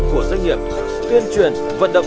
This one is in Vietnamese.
của doanh nghiệp tuyên truyền vận động